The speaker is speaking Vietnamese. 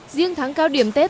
riêng tháng cao điểm tết